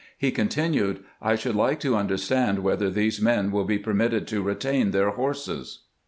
He continued: "I should like to understand whether these men will be permitted to re tain their horses."